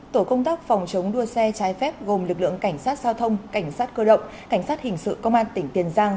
tổ công tác phòng chống đua xe trái phép gồm lực lượng cảnh sát giao thông cảnh sát cơ động cảnh sát hình sự công an tỉnh tiền giang